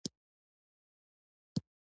افغانستان کې آب وهوا د نن او راتلونکي ارزښت لري.